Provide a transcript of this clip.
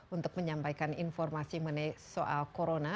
untuk menyampaikan informasi mengenai soal corona